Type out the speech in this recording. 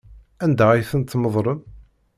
Anda ay ten-tmeḍlem?